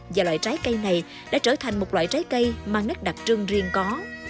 và loại trái cây này đã trở thành một loại trái cây mang nét đặc trưng riêng có